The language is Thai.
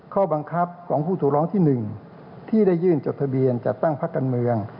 ข้อบังคับของผู้ถูกร้องที่๑ที่ได้ยื่นจดทะเบียนจัดตั้งพักการเมือง